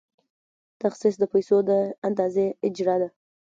تخصیص د پیسو د اندازې اجرا ده.